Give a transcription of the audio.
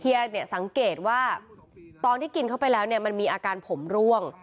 สังเกตว่าตอนที่กินเข้าไปแล้วเนี่ยมันมีอาการผมร่วง